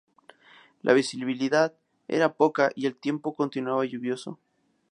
La visibilidad era poca y el tiempo continuaba lluvioso.